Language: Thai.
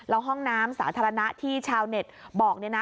แล้วห้องน้ำสาธารณะที่ชาวเน็ตบอก